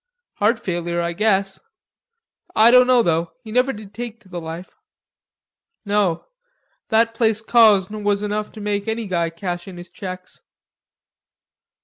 "Heart failure, I guess. I dunno, though, he never did take to the life." "No. That place Cosne was enough to make any guy cash in his checks."